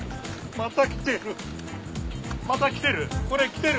またきてる。